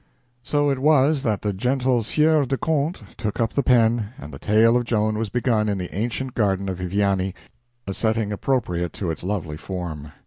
So it was that the gentle Sieur de Conte took up the pen, and the tale of Joan was begun in the ancient garden of Viviani, a setting appropriate to its lovely form.